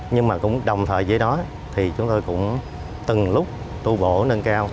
nhưng mà cũng đồng thời với đó thì chúng tôi cũng từng lúc tu bổ nâng cao